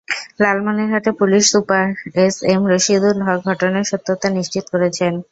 লালমনিরহাটের police super S M Rashidul Haque ঘটনার সত্যতা নিশ্চিত করেছেন।